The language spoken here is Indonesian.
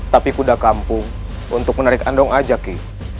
tapi kuda kampung untuk menarik andong aja ki